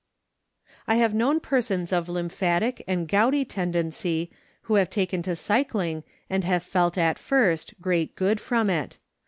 I have known persons of lymphatic and gouty tendency who have taken to cycling and have felt at first great good from it.